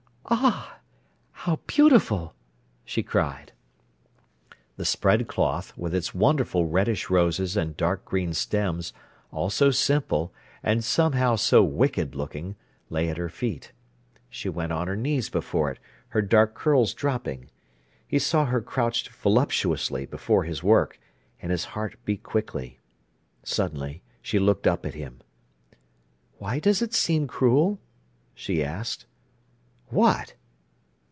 "Ah, how beautiful!" she cried. The spread cloth, with its wonderful reddish roses and dark green stems, all so simple, and somehow so wicked looking, lay at her feet. She went on her knees before it, her dark curls dropping. He saw her crouched voluptuously before his work, and his heart beat quickly. Suddenly she looked up at him. "Why does it seem cruel?" she asked. "What?"